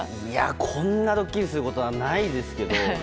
こんなにドッキリしたことはないですけど。